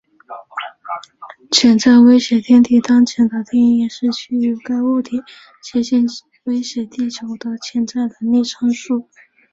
潜在威胁天体当前的定义是基于该物体接近威胁地球的潜在能力参数。